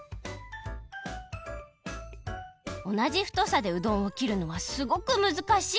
おなじふとさでうどんをきるのはすごくむずかしい！